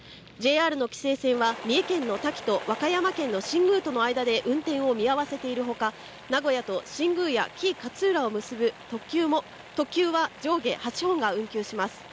ＪＲの紀勢線は三重県の多気と和歌山県の新宮の間で運転を見合わせているほか名古屋と新宮や紀伊勝浦を結ぶ特急も上下８本が運休します